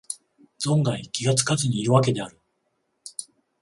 存外気がつかずにいるわけである